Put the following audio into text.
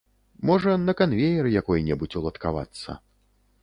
Можа, на канвеер якой-небудзь уладкавацца.